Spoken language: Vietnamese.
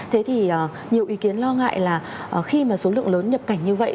thế thì nhiều ý kiến lo ngại là khi mà số lượng lớn nhập cảnh như vậy